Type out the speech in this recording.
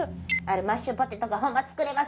マッシュポテトがホンマ作れます